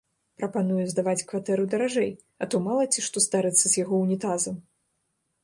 Прапаную здаваць кватэру даражэй, а то мала ці што здарыцца з яго ўнітазам!